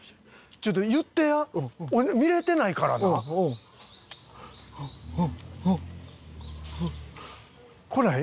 ちょっと言ってや見れてないからな。来ない？